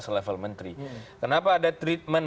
selevel menteri kenapa ada treatment